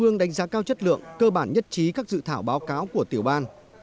và đánh giá kết lượng cơ bản nhất trí các dự thảo báo cáo của tiểu ban